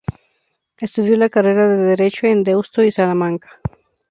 Estudió la carrera de Derecho en Deusto y Salamanca.